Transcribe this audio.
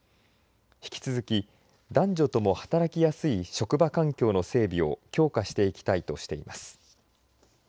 引き続き男女とも働きやすい職場環境の整備を強化していきたいとしています。